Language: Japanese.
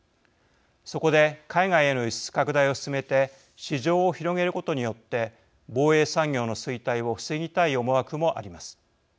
そこで海外への輸出拡大を進めて市場を広げることによって防衛産業の衰退を防ぎたい思惑もあります。